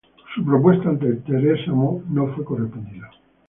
Su propuesta ante Teresa Mo no fue correspondida.